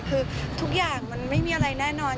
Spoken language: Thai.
คือทุกอย่างมันไม่มีอะไรแน่นอน